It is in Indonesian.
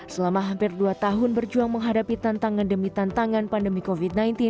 selama hampir dua tahun berjuang menghadapi tantangan demi tantangan pandemi covid sembilan belas